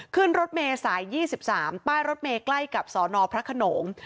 ขึ้นรถเมย์สาย๒๓ป้ายรถเมย์ใกล้กับสนพระขนง